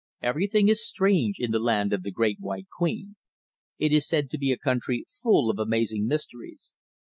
Everything is strange in the land of the Great White Queen. It is said to be a country full of amazing mysteries.